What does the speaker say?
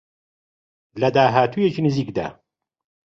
لە داهاتوویەکی نزیکدا